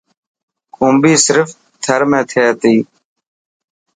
کومبي صرف ٿر ۾ ٿي تي.